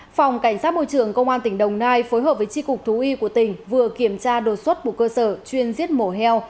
phòng cảnh sát môi trường công an tỉnh đồng nai phối hợp với tri cục thú y của tỉnh vừa kiểm tra đột xuất một cơ sở chuyên giết mổ heo